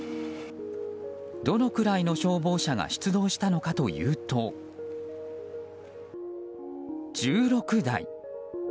どのくらいの消防車が出動したのかというと１６台。